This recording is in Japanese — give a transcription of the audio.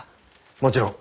もちろん。